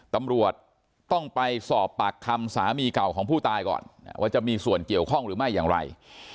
ตำรวจต้องไปสอบปากคำสามีเก่าของผู้ตายก่อนว่าจะมีส่วนเกี่ยวข้องหรือไม่อย่างไร